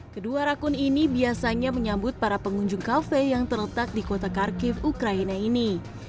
kedua rakun ini biasanya menyambut para pengunjung kafe yang terletak di kota kharkiv ukraina ini